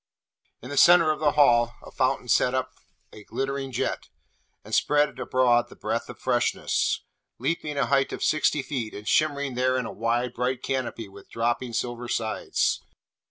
In the centre of the Hall a fountain set up a glittering jet, and spread abroad the breath of freshness, leaping a height of sixty feet, and shimmering there in a wide bright canopy with dropping silver sides.